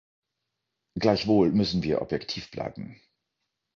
Gleichwohl müssen wir objektiv bleiben.